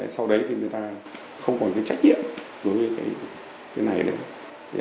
sau đấy thì người ta không còn trách nhiệm với cái này nữa